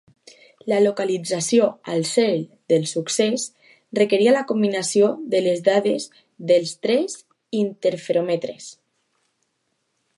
La localització al cel del succés requeria la combinació de les dades dels tres interferòmetres.